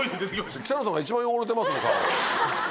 北野さんが一番汚れてますよたぶん。